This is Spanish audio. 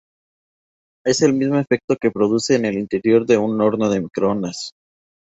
Es el mismo efecto que se produce en el interior de un horno microondas.